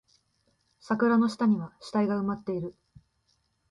桜の下には死体が埋まっている